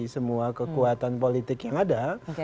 semua kekuatan politik yang ada